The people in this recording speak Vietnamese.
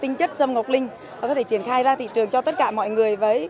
tinh chất sâm ngọc linh và có thể triển khai ra thị trường cho tất cả mọi người